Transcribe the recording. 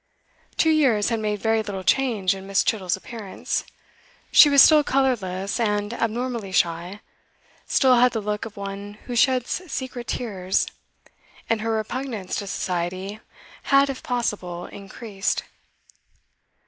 Two years had made very little change in Miss. Chittle's appearance. She was still colourless and abnormally shy, still had the look of one who sheds secret tears, and her repugnance to Society had, if possible, increased.